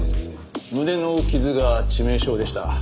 胸の傷が致命傷でした。